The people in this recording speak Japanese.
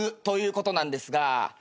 ＳＤＧｓということなんですが。